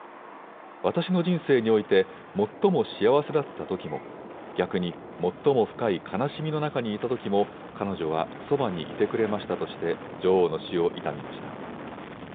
私の人生において最も幸せだったときも、逆に最も深い悲しみの中にいたときも彼女はそばにいてくれましたとして、女王の死を悼みました。